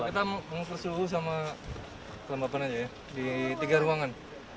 kita mengukur suhu sama kelembapan aja ya di tiga ruangan